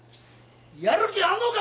やる気あんのか！？